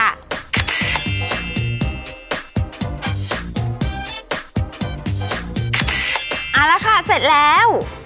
เอาละค่ะเสร็จแล้ว